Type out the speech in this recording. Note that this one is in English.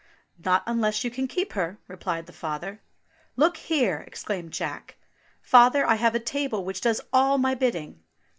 "Not unless you can keep her," replied the father. "Look here!" exclaimed Jack. "Father, I have a table which does all my bidding."